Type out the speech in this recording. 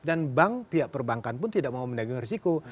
dan bank pihak perbankan pun tidak mau menanggung risiko